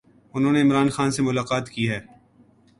انھوں نے عمران خان سے ملاقات کی ہے۔